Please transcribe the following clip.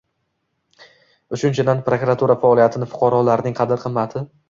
Uchinchidan, prokuratura faoliyatini fuqarolarning qadr-qimmati